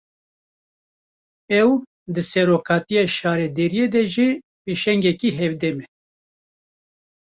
Ew, di serokatiya şaredariyê de jî pêşengekî hevdem e